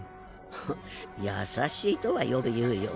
フッ優しいとはよく言うよ。